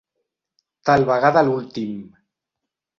Tal vegada l'últim.